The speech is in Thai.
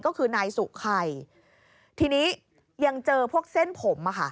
ก็คือนายสุข่ายทีนี้ยังเจอพวกเส้นผม